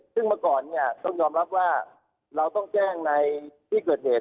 ซึ่งเมื่อก่อนเนี่ยต้องยอมรับว่าเราต้องแจ้งในที่เกิดเหตุ